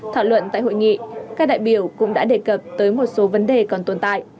thảo luận tại hội nghị các đại biểu cũng đã đề cập tới một số vấn đề còn tồn tại